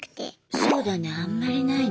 そうだねあんまりないね。